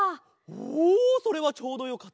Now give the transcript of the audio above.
おそれはちょうどよかった。